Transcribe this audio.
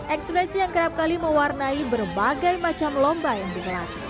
ekspresi yang kerap kali mewarnai berbagai macam lomba yang digelar